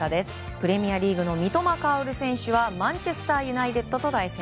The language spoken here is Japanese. プレミアリーグの三笘薫選手はマンチェスター・ユナイテッドと対戦。